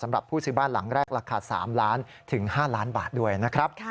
สำหรับผู้ซื้อบ้านหลังแรกราคา๓ล้านถึง๕ล้านบาทด้วยนะครับ